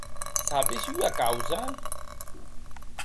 Sabes ua causa?